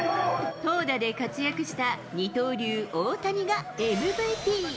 投打で活躍した二刀流、大谷がＭＶＰ。